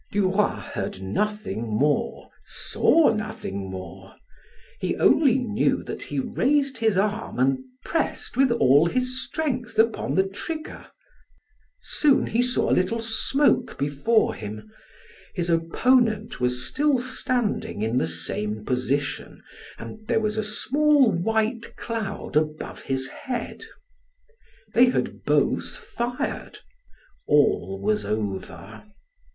Duroy heard nothing more, saw nothing more; he only knew that he raised his arm and pressed with all his strength upon the trigger. Soon he saw a little smoke before him; his opponent was still standing in the same position, and there was a small white cloud above his head. They had both fired. All was over!